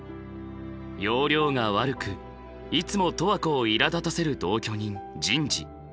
要領が悪くいつも十和子をいらだたせる同居人陣治。